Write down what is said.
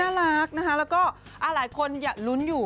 น่ารักนะคะแล้วก็หลายคนอย่าลุ้นอยู่